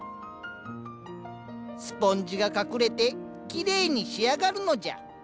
スポンジが隠れてきれいに仕上がるのじゃ。